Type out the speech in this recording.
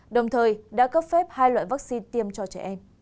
đồng thời đã cấp phép hai loại vaccine tiêm cho trẻ em